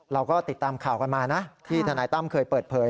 เราก็ติดตามข่าวกันมานะที่ทนายตั้มเคยเปิดเผย